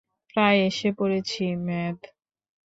প্রায় এসে পড়েছি, ম্যাভ।